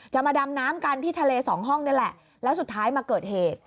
มาดำน้ำกันที่ทะเลสองห้องนี่แหละแล้วสุดท้ายมาเกิดเหตุ